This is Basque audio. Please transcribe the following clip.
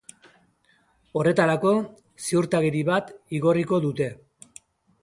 Horretarako, ziurtagiri bat igorriko dute.